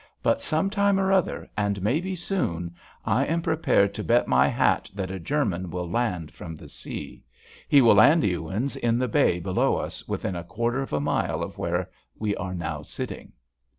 But some time or other, and maybe soon, I am prepared to bet my hat that a German will land from the sea. He will land, Ewins, in the bay below us, within a quarter of a mile of where we are now sitting."